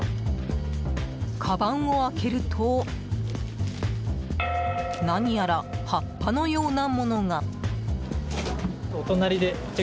かばんを開けると何やら葉っぱのようなものが。